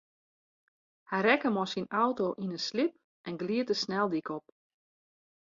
Hy rekke mei syn auto yn in slip en glied de sneldyk op.